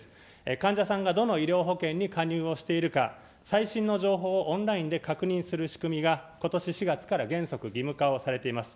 患者さんがどの医療保険に加入をしているか、最新の情報をオンラインで確認する仕組みがことし４月から原則義務化をされています。